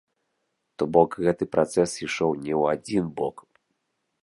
То бок гэты працэс ішоў не ў адзін бок.